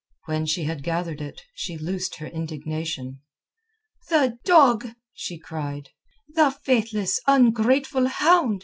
When she had gathered it, she loosed her indignation. "The dog!" she cried. "The faithless, ungrateful hound!